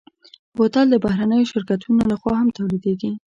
بوتل د بهرنيو شرکتونو لهخوا هم تولیدېږي.